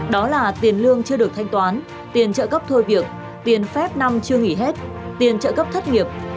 đó là tiền lương chưa được thanh toán tiền trợ cấp thôi việc tiền phép năm chưa nghỉ hết tiền trợ cấp thất nghiệp